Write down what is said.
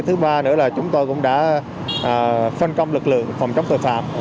thứ ba nữa là chúng tôi cũng đã phân công lực lượng phòng chống tội phạm